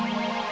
aku sudah lebih